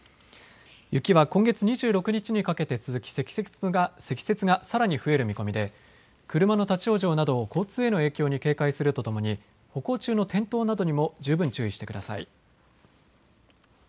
雪は今月２６日にかけて続き積雪がさらに増える見込みで車の立往生など交通への影響に警戒するとともに歩行中の転倒などにも十分注意してください。